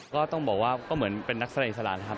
ก็ต้องบอกว่าก็เหมือนเป็นนักแสดงอิสระนะครับ